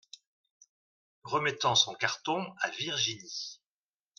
Remettant son carton à Virginie.